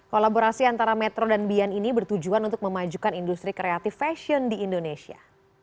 kolaborasi antara metro dan bian ini bertujuan untuk memajukan industri kreatif fashion di indonesia